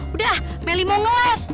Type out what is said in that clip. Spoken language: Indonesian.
udah melih mau ngeles